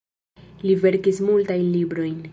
Li verkis multajn librojn.